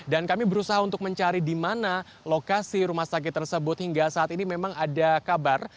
dan kami berusaha untuk mencari di mana lokasi rumah sakit tersebut hingga saat ini memang ada kabar